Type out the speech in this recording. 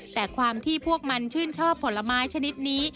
แต่ความที่พวกมันชื่นชอบผลไม้ชนิดนี้